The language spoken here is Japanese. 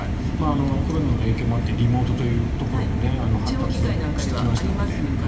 コロナの影響もあってリモートというところも発達してきましたので。